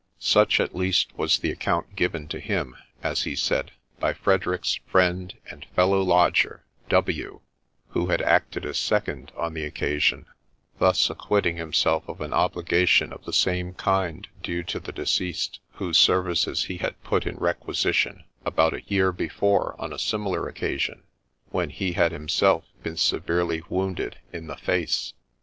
Such, at least, was the account given to him, as he said, by Frederick's friend and fellow lodger, W , who had acted as second on the occasion, thus acquitting himself of an obligation of the same kind due to the deceased, whose services he had put in requisition about a year before on a similar occasion, when he had himself been severely wounded in the face.